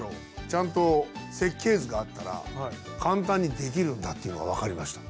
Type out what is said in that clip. ちゃんと設計図があったら簡単にできるんだっていうのが分かりました。